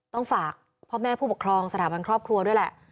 ต้องฝากพ่อแม่ผู้ปกครองสถาบันครอบครัวด้วยแหละ